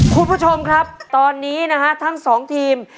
คุณผู้ชมครับตอนนี้ทั้ง๒ทีม